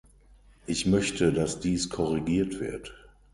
Ich möchte, dass dies korrigiert wird.